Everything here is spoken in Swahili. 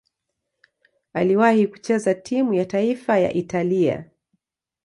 Aliwahi kucheza timu ya taifa ya Italia.